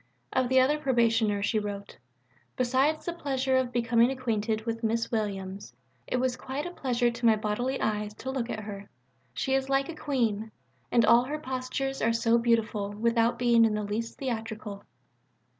Of the other Probationer, she wrote: "Besides the pleasure of becoming acquainted with Miss Williams it was quite a pleasure to my bodily eyes to look at her. She is like a queen; and all her postures are so beautiful, without being in the least theatrical."